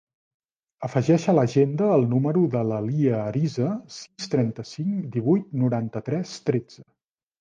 Afegeix a l'agenda el número de la Lia Ariza: sis, trenta-cinc, divuit, noranta-tres, tretze.